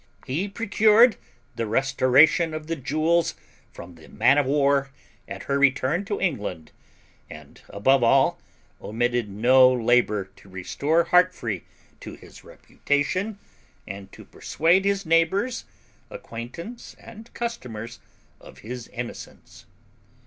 He procured the restoration of the jewels from the man of war at her return to England, and, above all, omitted no labour to restore Heartfree to his reputation, and to persuade his neighbours, acquaintance, and customers, of his innocence.